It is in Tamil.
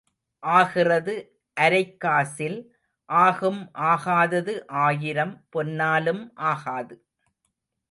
ஆகிறது அரைக் காசில் ஆகும் ஆகாதது ஆயிரம் பொன்னாலும் ஆகாது.